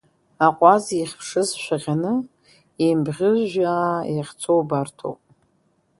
Аҟәаз ихьԥшыз шәаҟьаны, еимбӷьыжәаа иахьцо убарҭоуп.